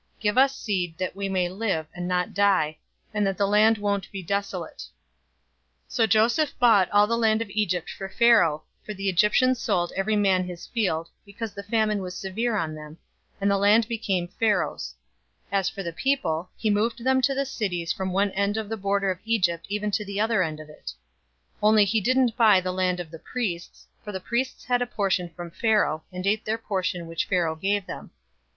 Give us seed, that we may live, and not die, and that the land won't be desolate." 047:020 So Joseph bought all the land of Egypt for Pharaoh, for the Egyptians sold every man his field, because the famine was severe on them, and the land became Pharaoh's. 047:021 As for the people, he moved them to the cities from one end of the border of Egypt even to the other end of it. 047:022 Only he didn't buy the land of the priests, for the priests had a portion from Pharaoh, and ate their portion which Pharaoh gave them.